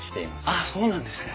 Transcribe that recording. あっそうなんですね。